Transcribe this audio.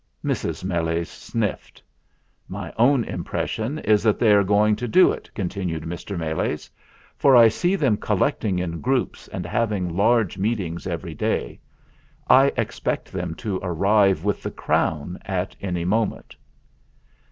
Mrs. Meles sniffed. "My own impression is that they are going to do it," continued Mr. Meles, "for I see them collecting in groups and having large meetings every day. I expect them to arrive with the crown at any moment."